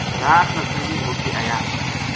رات نا سنگی مڑ کے آیا